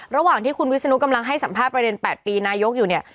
ระหว่างที่คุณวิศนุกำลังให้สัมภาษณ์ประเด็น๘ปีนายกอยู่เนี่ย